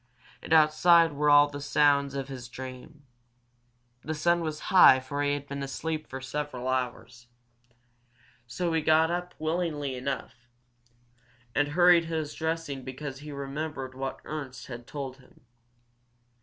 And outside were all the sounds of his dream. The sun was high for he had been asleep for several hours. So he got up willingly enough, and hurried his dressing because he remembered what Ernst had told him.